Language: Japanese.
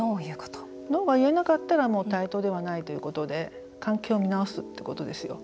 ノーが言えなかったらもう対等ではないということで関係を見直すということですよ。